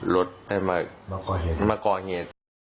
รถได้มามาก้อเหตุ